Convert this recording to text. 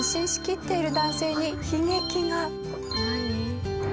何？